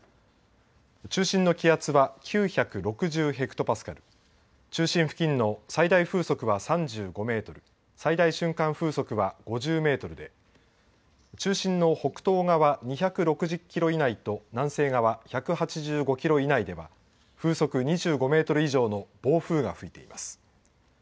中心の気圧は９６０ヘクトパスカル、中心付近の最大風速は３５メートル、最大瞬間風速は５０メートルで中心の北東側２６０キロ以内と南西側１８５キロ以内では風速２５メートル以上の暴風が吹いています。